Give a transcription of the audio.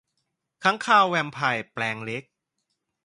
ค้างคาวแวมไพร์แปลงเล็ก